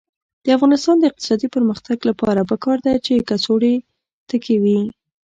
د افغانستان د اقتصادي پرمختګ لپاره پکار ده چې کڅوړې تکې وي.